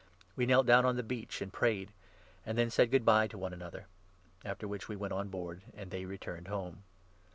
We knelt down on the beach, and prayed, and then said good bye to one another ; 6 after which we went on board, and they returned home.